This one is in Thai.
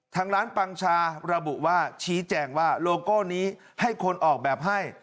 ทางร้านปังชาระบุว่าชี้แจงว่าโลโก้นี้ให้คนออกแบบให้